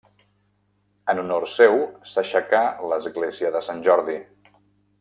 En honor seu s'aixecà l'església de Sant Jordi.